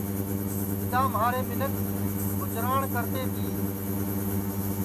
اِدؔا مہارے منکھ گُجران کرتے تیے